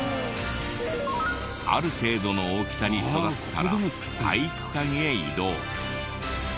ある程度の大きさに育ったら体育館へ移動。